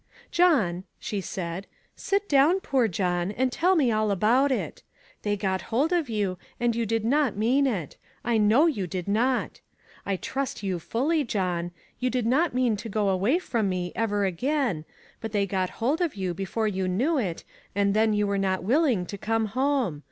*' John," she said, " sit down, poor John, and tell me all about it. They got hold of you, and you did not mean it ; I know you did not. I trust you full}r, John ; you did not mean to go away from me ever again, but they got hold of you before you knew it, and then you \vere not willing to come home.